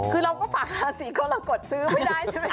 คือเราก็ฝากราศีกรกฎซื้อไม่ได้ใช่ไหมค